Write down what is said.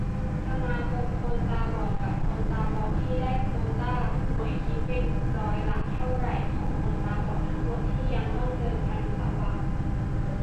สมาคมคนตาบอดกับคนตาบอดที่ได้โควตาหวย คิดเป็นร้อยละเท่าไหร่ ของคนตาบอดทั้งหมด ที่ยังต้องเดินถนนลำบาก